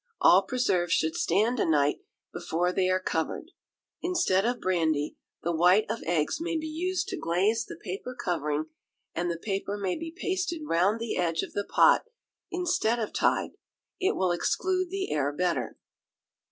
All preserves should stand a night before they are covered. Instead of brandy, the white of eggs may be used to glaze the paper covering, and the paper may be pasted round the edge of the pot instead of tied it will exclude the air better.